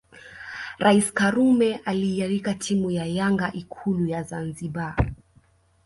Rais Karume aliialika timu ya Yanga Ikulu ya Zanzibar